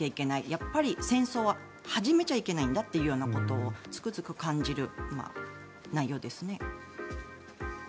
やっぱり、戦争は始めちゃいけないんだということをつくづく感じる内容ですね。